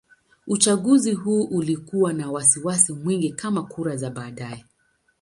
Uchaguzi huu ulikuwa na wasiwasi mwingi kama kura za baadaye.